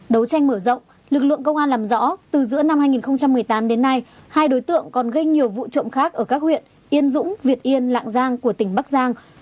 đấu tranh mở rộng lực lượng công an làm rõ từ giữa năm hai nghìn một mươi tám đến nay hai đối tượng còn gây nhiều vụ trộm khác ở các huyện yên dũng việt yên lạng giang của tỉnh bắc giang